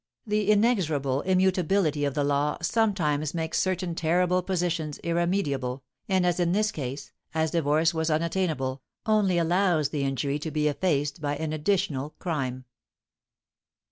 The inexorable immutability of the law sometimes makes certain terrible positions irremediable, and, as in this case (as divorce was unattainable), only allows the injury to be effaced by an additional crime.